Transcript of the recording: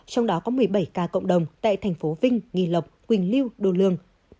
trong đó có một mươi bảy ca cộng đồng tại thành phố vinh nghì lộc quỳnh liêu đô lương